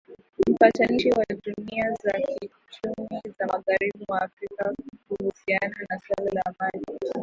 Mpatanishi wa jumuia za kiuchumi za magahribi mwa Afrika kuhusiana na suala la Mali